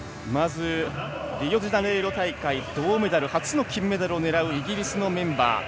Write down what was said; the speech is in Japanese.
まずリオデジャネイロ大会銅メダル初の金メダルを狙うイギリスのメンバー。